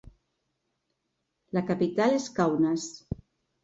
La capital és Kaunas.